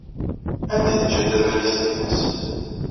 Anda ay teǧǧa tabalizt-nnes?